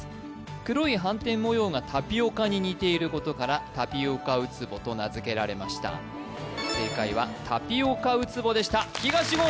黒い斑点模様がタピオカに似ていることからタピオカウツボと名付けられました正解はタピオカウツボでした東言お